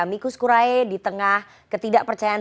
amicus curae di tengah ketidakpercayaan